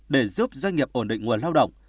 để giúp doanh nghiệp ổn định nguồn lao động